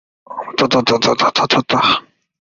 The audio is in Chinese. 后元昊在宋庆历三年病逝。